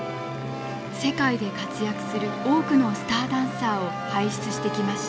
世界で活躍する多くのスターダンサーを輩出してきました。